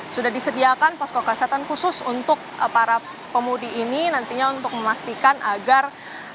sudah disediakan posko kesehatan khusus untuk para pemudi ini nantinya untuk memastikan agar